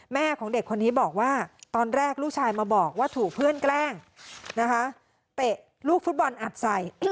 แม่ของเด็กคนนี้บอกว่าตอนแรกลูกชายมาบอกว่าถูกเพื่อนแกล้งนะคะเตะลูกฟุตบอลอัดใส่